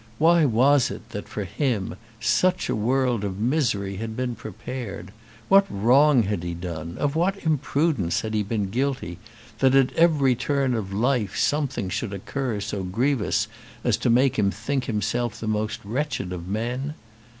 Why was it that, for him, such a world of misery had been prepared? What wrong had he done, of what imprudence had he been guilty, that, at every turn of life, something should occur so grievous as to make him think himself the most wretched of men?